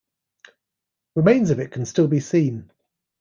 Remains of it can still be seen.